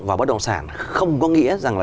vào bất động sản không có nghĩa rằng là